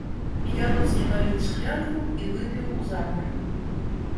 Яроцкі наліў шклянку і выпіў узапар.